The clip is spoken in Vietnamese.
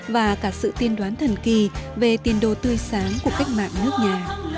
và cả sự tiên đoán thần kỳ về tiền đô tươi sáng của cách mạng nước nhà